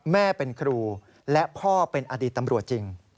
แม่เป็นครูและพ่อเป็นอดีตตำรวจจริง